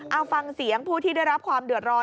เอาฟังเสียงผู้ที่ได้รับความเดือดร้อน